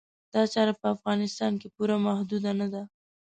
دا چاره په افغانستان پورې محدوده نه ده.